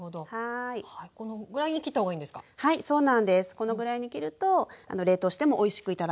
このぐらいに切ると冷凍してもおいしく頂けます。